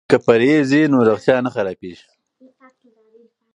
که پرهیز وي نو روغتیا نه خرابیږي.